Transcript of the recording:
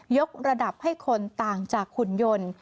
กระดับให้คนต่างจากหุ่นยนต์